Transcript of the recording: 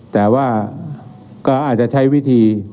แต่ว่าก็อาจจะใช้วิธี